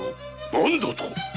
何だと！